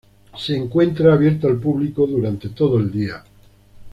Se encuentra abierto al público durante todo el día.